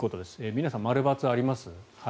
皆さん、○×あります？